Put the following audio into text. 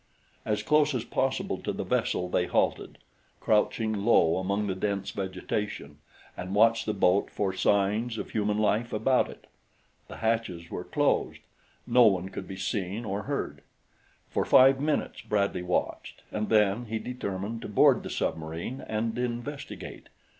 As close as possible to the vessel they halted, crouching low among the dense vegetation, and watched the boat for signs of human life about it. The hatches were closed no one could be seen or heard. For five minutes Bradley watched, and then he determined to board the submarine and investigate.